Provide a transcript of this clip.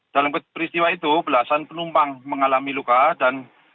dalam peristiwa itu belasan penumpang mengalami luka dan